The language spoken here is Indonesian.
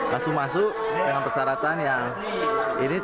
langsung masuk dengan persyaratan yang ini